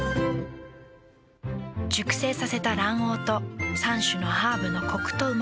熟成させた卵黄と３種のハーブのコクとうま味。